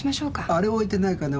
あれ置いてないかな？